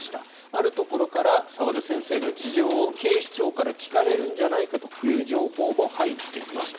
あるところから澤田先生が事情を警視庁から聞かれるんじゃないかという情報も入っていますと。